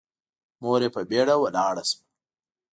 مور يې په بيړه ولاړه شوه.